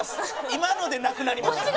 今のでなくなりました。